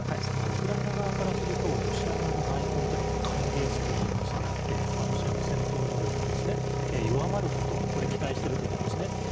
ウクライナ側からするとロシア側の内紛というのは歓迎すべき話であってロシアの戦闘能力が弱まることを期待していると思うんですね。